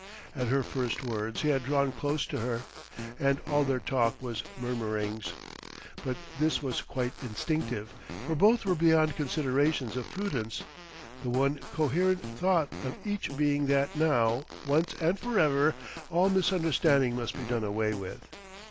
At her first words he had drawn close to her; and all their talk was murmurings. But this was quite instinctive; for both were beyond considerations of prudence, the one coherent thought of each being that now, once and forever, all misunderstanding must be done away with.